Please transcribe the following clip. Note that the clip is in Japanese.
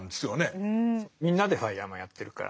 そうみんなでファイアマンやってるから。